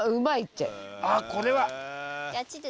あっこれは。